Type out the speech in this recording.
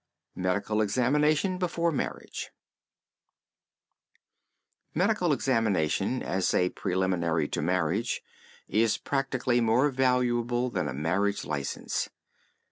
MEDICAL EXAMINATION BEFORE MARRIAGE Medical examination as a preliminary to marriage is practically more valuable than a marriage license.